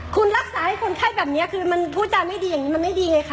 คุณรักษาให้คนไข้แบบนี้คือมันพูดจาไม่ดีอย่างนี้มันไม่ดีไงคะ